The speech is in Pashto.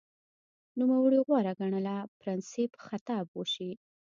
نوموړي غوره ګڼله پرنسېپ خطاب وشي